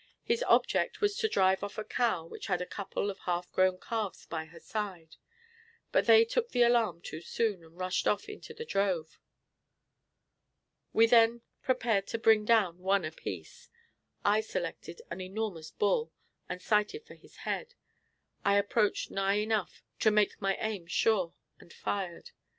His object was to drive off a cow which had a couple of half grown calves by her side, but they took the alarm too soon, and rushed off into the drove. We then prepared to bring down one apiece. I selected an enormous bull, and sighted for his head. I approached nigh enough to make my aim sure, and fired.